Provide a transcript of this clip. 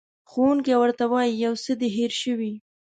ښوونکی ورته وایي، یو څه دې هېر شوي.